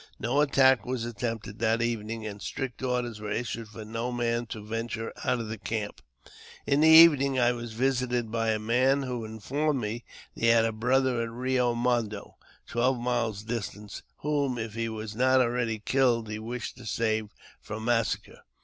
No attack was attempted that evening, and strict orders were issued for no man to venture out of camp. In the evening I was visited by a man, who informed me that he had a brother at Eio Mondo, twelve miles distant, whom, if he was not already killed, he wished to save from massacre.